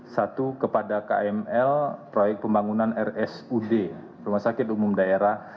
satu kepada kml proyek pembangunan rsud rumah sakit umum daerah